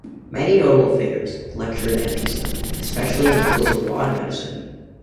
Many notable figures lectured at Pisa, especially in the fields of law and medicine.